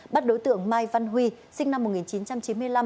bắt đối tượng mai văn huy sinh năm một nghìn chín trăm chín mươi năm